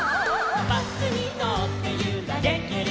「バスにのってゆられてる」